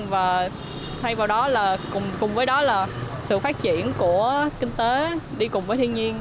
và thay vào đó là cùng với đó là sự phát triển của kinh tế đi cùng với thiên nhiên